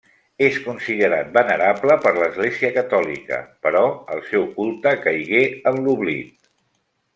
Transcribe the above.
És considerat venerable per l'Església catòlica, però el seu culte caigué en l'oblit.